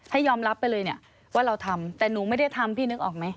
ให้ยอมรับไปเลยเนี่ยว่าเราทำแต่หนูไม่ได้ทำพี่นึกออกไหม